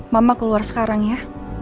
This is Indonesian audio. mama keluar sekarang ya